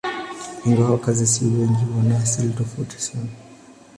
Ingawa wakazi si wengi, wana asili tofauti sana.